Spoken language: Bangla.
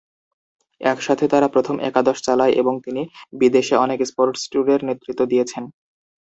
একসাথে তারা প্রথম একাদশ চালায় এবং তিনি বিদেশে অনেক স্পোর্টস ট্যুরের নেতৃত্ব দিয়েছেন।